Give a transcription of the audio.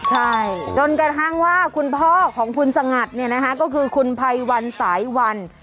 ใช่จนกระทั่งว่าคุณพ่อของคุณสงัดเนี่ยนะคะก็คือคุณภัยวันสายวัน